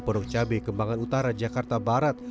porok cabe kembangan utara jakarta barat